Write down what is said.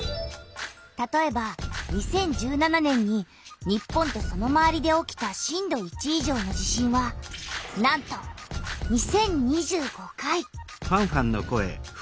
たとえば２０１７年に日本とそのまわりで起きた震度１以上の地震はなんと２０２５回！